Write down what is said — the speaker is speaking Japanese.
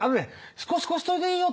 「しこしこしといでいいよ」